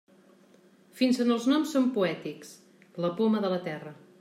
Fins en els noms són poètics: la poma de la terra.